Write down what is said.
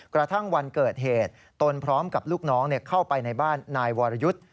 กระทั่งวันเกิดเหตุตนพร้อมกับลูกน้องเข้าไปในบ้านนายวรยุทธ์